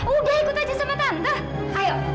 udah ikut aja sama tante ayo